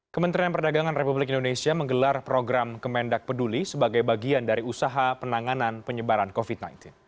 kementerian perdagangan republik indonesia menggelar program kemendak peduli sebagai bagian dari usaha penanganan penyebaran covid sembilan belas